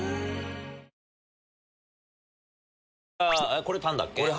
これタンだっけ？